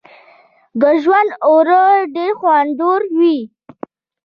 د ژرندې اوړه ډیر خوندور وي.